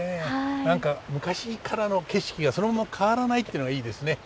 何か昔からの景色がそのまま変わらないってのがいいですね。